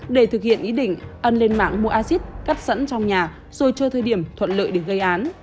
để thực hiện ý định ân lên mạng mua acid cắt sẵn trong nhà rồi chơi thời điểm thuận lợi để gây án